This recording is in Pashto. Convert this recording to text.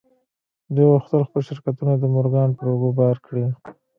دوی غوښتل خپل شرکتونه د مورګان پر اوږو بار کړي.